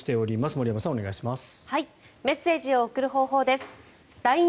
森山さん、お願いします。